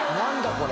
これ。